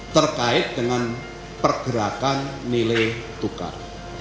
terkait dengan pergerakan nilai tukar